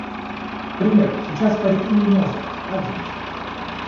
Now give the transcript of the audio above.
К примеру, сейчас парики не носят, так значит.